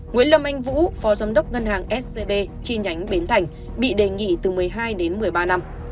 nguyễn lâm anh vũ phó giám đốc ngân hàng scb chi nhánh bến thành bị đề nghị từ một mươi hai đến một mươi ba năm